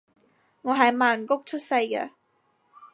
我係曼谷出世嘅